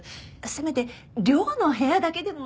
せめて寮の部屋だけでも。